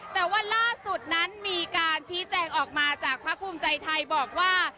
แต่ว่าล่าสุดนั้นมีการชี้แจงออกมาจากภาคภูมิใจไทยบอกว่า